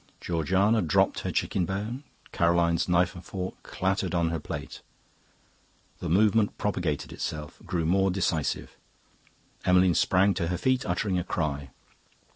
Georgiana dropped her chicken bone, Caroline's knife and fork clattered on her plate. The movement propagated itself, grew more decisive; Emmeline sprang to her feet, uttering a cry.